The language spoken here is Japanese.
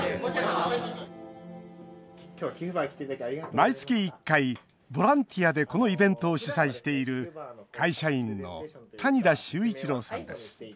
毎月１回、ボランティアでこのイベントを主催している会社員の谷田脩一郎さんです